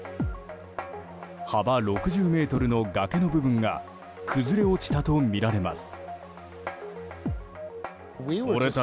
幅６０ｍの崖の部分が崩れ落ちたとみられます。